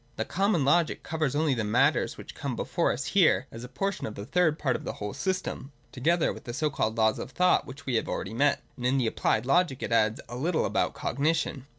The Common Logic covers only the matters which come before us here as a portion of tiie third part of the whole system, together with the so c,dled Laws of Thought, which we have already met ; and in the Ap plied Logic it adds a little about cognition.